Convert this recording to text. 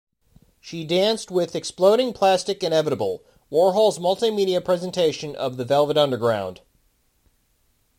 She danced with "Exploding Plastic Inevitable", Warhol's multimedia presentation of the Velvet Underground.